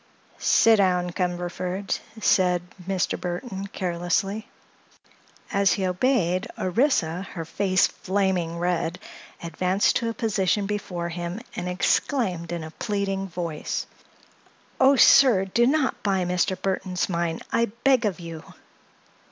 "Sit down, Cumberford," said Mr. Burthon, carelessly. As he obeyed, Orissa, her face flaming red, advanced to a position before him and exclaimed in a pleading voice: "Oh, sir, do not buy Mr. Burthon's mine, I beg of you!"